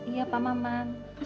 iya pak maman